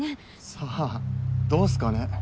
さあどうっすかね。